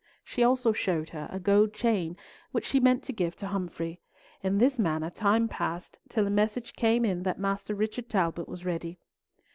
She also showed her a gold chain which she meant to give to Humfrey. In this manner time passed, till a message came in that Master Richard Talbot was ready.